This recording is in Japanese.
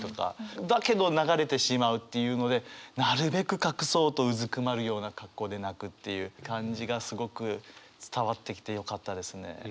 だけど流れてしまうっていうのでなるべく隠そうとうずくまるような格好で泣くっていう感じがすごく伝わってきてよかったですね。